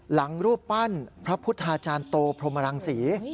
รูปปั้นพระพุทธาจารย์โตพรหมรังศรี